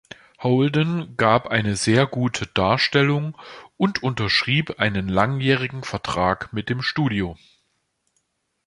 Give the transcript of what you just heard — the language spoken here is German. Holden gab eine sehr gute Darstellung und unterschrieb einen langjährigen Vertrag mit dem Studio.